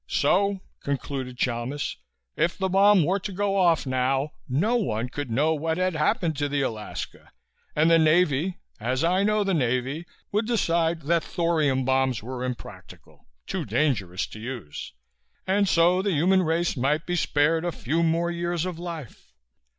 "So," concluded Chalmis, "if the bomb were to go off now, no one could know what had happened to the Alaska and the Navy as I know the Navy would decide that thorium bombs were impractical, too dangerous to use. And so the human race might be spared a few more years of life."